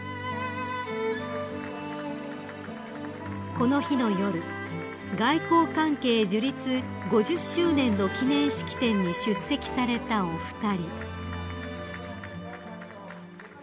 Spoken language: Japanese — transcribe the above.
［この日の夜外交関係樹立５０周年の記念式典に出席されたお二人］